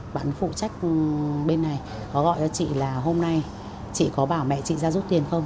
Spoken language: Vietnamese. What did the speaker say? bạn phụ trách bên này có gọi cho chị là hôm nay chị có bảo mẹ chị ra rút tiền không